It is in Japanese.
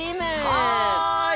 はい！